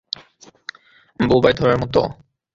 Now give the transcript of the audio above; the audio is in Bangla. বোবায় ধরার মত?